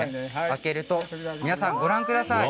開けるとご覧ください。